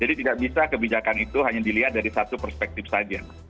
jadi tidak bisa kebijakan itu hanya dilihat dari satu perspektif saja